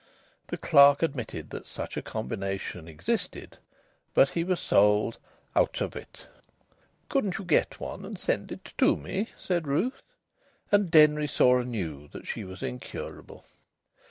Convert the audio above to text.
The clerk admitted that such a combination existed, but he was sold "out of it." "Couldn't you get one and send it to me?" said Ruth. And Denry saw anew that she was incurable.